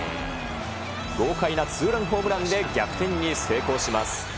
豪快なツーランホームランで逆転に成功します。